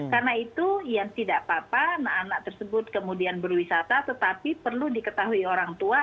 karena itu yang tidak apa apa anak anak tersebut kemudian berwisata tetapi perlu diketahui orang tua